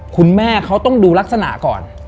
คุณแม่เขาต้องดูลักษณะก่อน